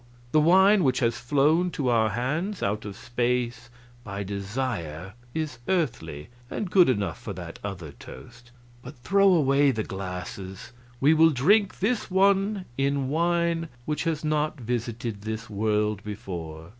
The wine which has flown to our hands out of space by desire is earthly, and good enough for that other toast; but throw away the glasses; we will drink this one in wine which has not visited this world before."